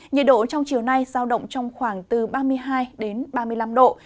nhiệt độ trong chiều nay giao động trong khoảng từ ba mươi hai ba mươi năm độ